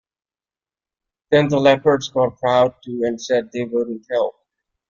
Then the leopards got proud too and said they wouldn’t help.